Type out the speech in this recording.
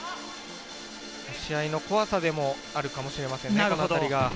試合の怖さでもあるかもしれません。